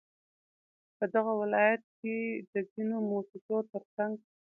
په دغه ولايت كې د ځينو مؤسسو ترڅنگ